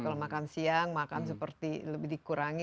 kalau makan siang makan seperti lebih dikurangi